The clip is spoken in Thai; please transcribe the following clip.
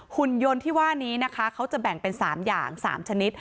หุ่นยนต์ที่ว่านี้นะคะเขาจะแบ่งเป็น๓อย่าง๓ชนิด